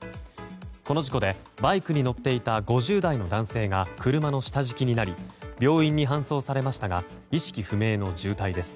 この事故でバイクに乗っていた５０代の男性が車の下敷きになり病院に搬送されましたが意識不明の重体です。